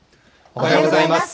おはようございます。